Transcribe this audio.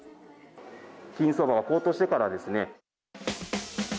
金相場が高騰してからですね。